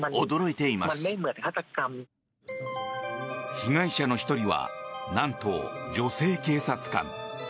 被害者の１人はなんと、女性警察官。